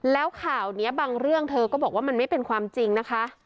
แล้วข่าวนี้บางเรื่องเธอก็บอกว่ามันไม่เป็นความจริงนะคะ